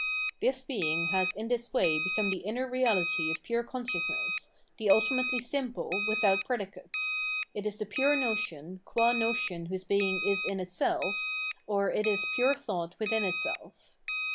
This being has in this way become the inner reality of pure consciousness, the ultimately simple without predicates ; it is the pure notion, qua notion whose being is in itself, or it is pure thought within itself.